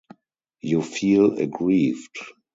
You feel aggrieved.